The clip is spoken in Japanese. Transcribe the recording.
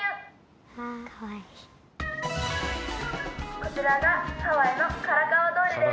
こちらがハワイのカラカウア通りです。